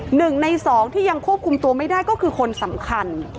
หนึ่งในสองที่ยังควบคุมตัวไม่ได้ก็คือคนสำคัญ